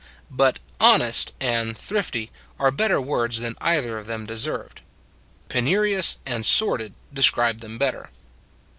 But honest and thrifty are better words than either of them deserved; penurious and sordid describe them better.